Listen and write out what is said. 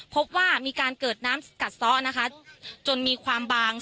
พบว่ามีการเกิดน้ำสกัดซ้อนะคะจนมีความบาง